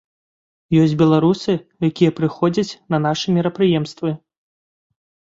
Ёсць беларусы, якія прыходзяць на нашы мерапрыемствы.